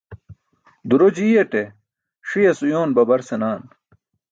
Duro jiyate, ṣiyas uyoon baber senaan.